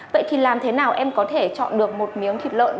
vậy thì làm thế nào em có thể chọn được một miếng thịt lợn